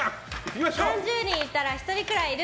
３０人いたら１人はいる。